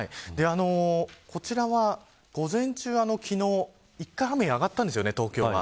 こちらは、午前中昨日、一回、雨上がったんですよね、東京は。